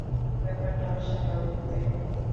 ব্যাপারটা অস্বাভাবিক, তাই না?